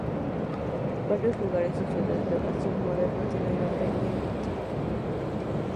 Varios lugares y ciudades del Brasil moderno tienen nombre en tupí.